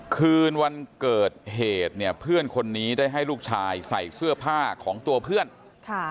คืนวันเกิดเหตุเนี่ยเพื่อนคนนี้ได้ให้ลูกชายใส่เสื้อผ้าของตัวเพื่อนค่ะ